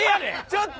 ちょっと！